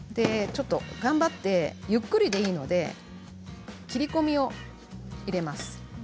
頑張って、ゆっくりでいいので切り込みを入れていきます。